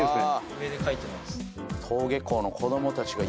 上で描いてます。